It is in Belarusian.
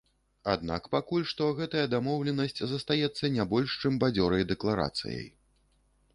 Аднак пакуль што гэтая дамоўленасць застаецца не больш чым бадзёрай дэкларацыяй.